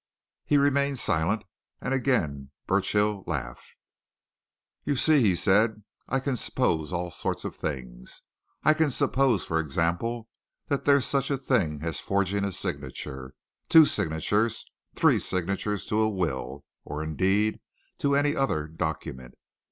He remained silent, and again Burchill laughed. "You see," he said, "I can suppose all sorts of things. I can suppose, for example, that there's such a thing as forging a signature two signatures three signatures to a will or, indeed, to any other document.